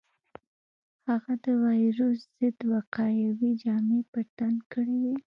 هغه د وېروس ضد وقايوي جامې پر تن کړې وې.